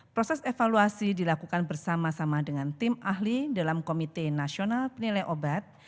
proses evaluasi dilakukan bersama sama dengan tim ahli dalam komite nasional penilai obat